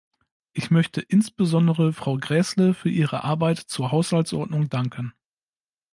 Ich möchte insbesondere Frau Gräßle für ihre Arbeit zur Haushaltsordnung danken.